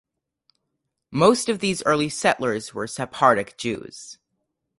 Most of these early settlers were Sephardic Jews.